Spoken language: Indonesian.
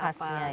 ciri khasnya ya